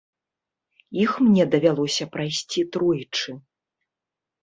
Іх мне давялося прайсці тройчы.